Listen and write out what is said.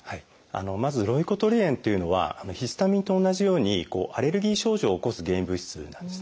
まずロイコトリエンっていうのはヒスタミンと同じようにアレルギー症状を起こす原因物質なんですね。